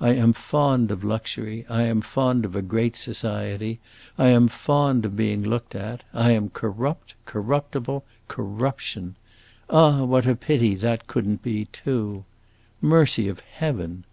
I am fond of luxury, I am fond of a great society, I am fond of being looked at. I am corrupt, corruptible, corruption! Ah, what a pity that could n't be, too! Mercy of Heaven!"